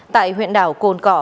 tại huyện đảo cồn cỏ